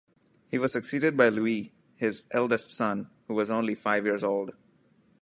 He was succeeded by Louis, his eldest son, who was only five years old.